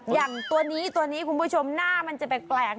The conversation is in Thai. อย่างตัวนี้ตัวนี้คุณผู้ชมหน้ามันจะแปลก